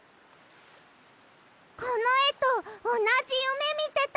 このえとおなじゆめみてた。